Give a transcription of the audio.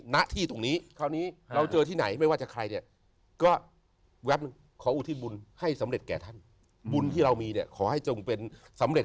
ณที่ตรงนี้คราวนี้เราเจอที่ไหนไม่ว่าจะใครเนี่ยก็แป๊บนึงขออุทิศบุญให้สำเร็จแก่ท่านบุญที่เรามีเนี่ยขอให้จงเป็นสำเร็จ